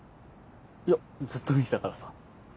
いやずっと見てたからさ。